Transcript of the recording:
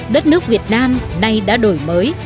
đất nước việt nam nay đã đổi mới